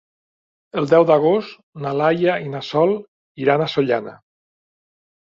El deu d'agost na Laia i na Sol iran a Sollana.